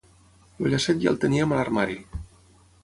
El llacet ja el teníem a l'armari.